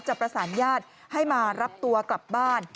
ประสานญาติให้มารับตัวกลับบ้าน